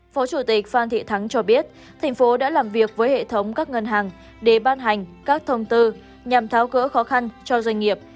phó chủ tịch phan thị thắng cho biết thành phố đã làm việc với hệ thống các ngân hàng để ban hành các thông tư nhằm tháo gỡ khó khăn cho doanh nghiệp